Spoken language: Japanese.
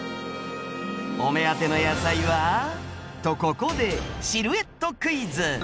お目当ての野菜はとここでシルエットクイズ。